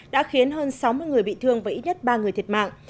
đã khiến hơn sáu mươi người bị thương và ít nhất ba người thiệt mạng